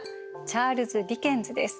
チャールズ・ディケンズです。